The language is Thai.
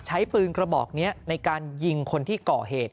ใช้ปืนกระบอกนี้ในการยิงคนที่ก่อเหตุ